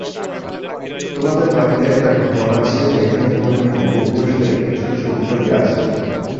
তোমাদের বাড়িতে একটা ঘর আছে, যেখানে তোমাদের পূর্বপুরুষদের কিছু ছবিটবি আছে।